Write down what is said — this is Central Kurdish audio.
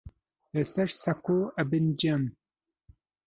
لەسەر سەکۆ ئەبن جەم